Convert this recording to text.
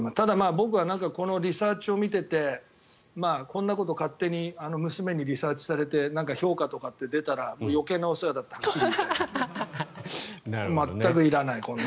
僕はこのリサーチを見ていてこんなこと勝手に娘にリサーチされて評価とかって出たら余計なお世話だってはっきり言いたいね。